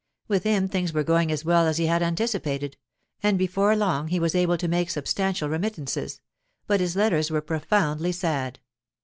With him things were going as well as he had anticipated, and before long he was able to make substantial remittances, but his letters were profoundly sad.